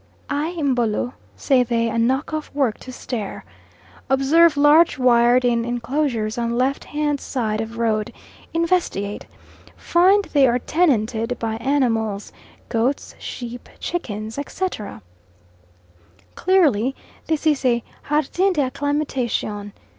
"Ai! Mbolo," say they, and knock off work to stare. Observe large wired in enclosures on left hand side of road investigate find they are tenanted by animals goats, sheep, chickens, etc. Clearly this is a jardin d'acclimatation.